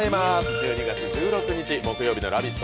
１２月６日木曜日の「ラヴィット！」